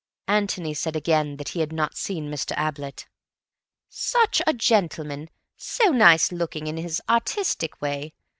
Antony said again that he had not seen Mr. Ablett. "Such a gentleman. So nice looking, in his artistic way.